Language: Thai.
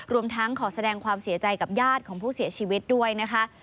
รวมทั้งขอแสดงความเสียใจกับญาติของผู้เสียชีวิตด้วยนะคะ